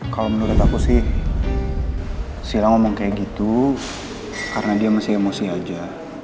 kalau menurut aku sih sila ngomong kayak gitu karena dia masih emosi aja